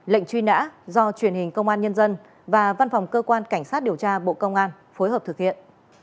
lệnh truy nã do truyền hình công an nhân dân và văn phòng cơ quan cảnh sát điều tra bộ công an phối hợp thực hiện